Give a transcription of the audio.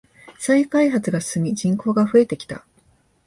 再開発が進み人口が増えてきた。